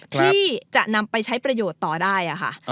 ที่จะนำไปใช้ประโยชน์ต่อได้ค่ะ